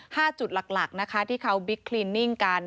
จุดหลักหลักนะคะที่เขาบิ๊กคลินิ่งกัน